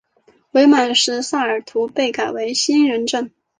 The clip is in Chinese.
伪满时萨尔图被改为兴仁镇。